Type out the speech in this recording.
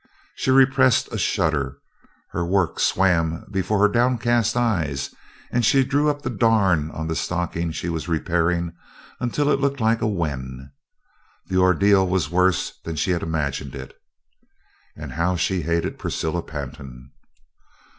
She repressed a shudder; her work swam before her downcast eyes and she drew up the darn on the stocking she was repairing until it looked like a wen. The ordeal was worse than she had imagined it. And how she hated Priscilla Pantin!